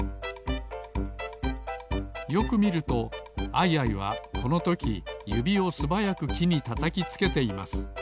よくみるとアイアイはこのときゆびをすばやくきにたたきつけています